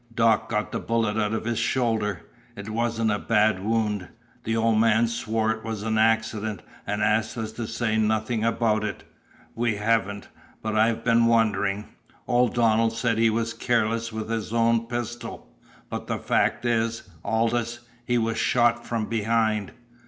Doc got the bullet out of his shoulder. It wasn't a bad wound. The old man swore it was an accident, and asked us to say nothing about it. We haven't. But I've been wondering. Old Donald said he was careless with his own pistol. But the fact is, Aldous _he was shot from behind!